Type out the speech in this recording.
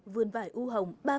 vườn vải u hồng